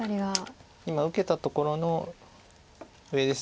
今受けたところの上です。